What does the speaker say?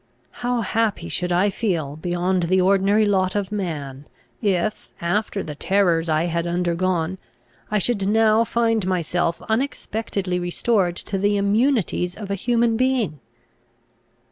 How happy should I feel, beyond the ordinary lot of man, if, after the terrors I had undergone, I should now find myself unexpectedly restored to the immunities of a human being!